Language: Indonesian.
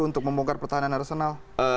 untuk membongkar pertahanan arsenal